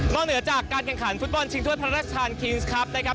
นอกเหนือจากการกันขันฟุตบอลจริงทั่วพระราชทานคีนซ์ครับ